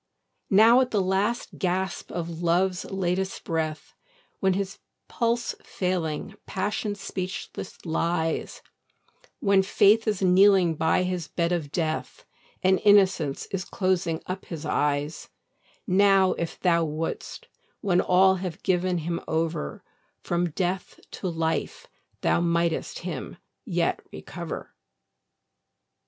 Now, at the last gasp of Love's latest breath, When, his pulse failing, Passion speechless lies, When Faith is kneeling by his bed of death, And Innocence is closing up his eyes; Now, if thou wouldst, when all have given him over, From death to life thou mightst him yet recover.